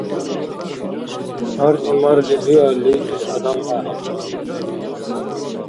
Гьарли-марли биалли, ил адам ахӀен.